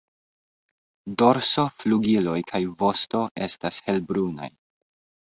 Dorso, flugiloj kaj vosto estas helbrunaj.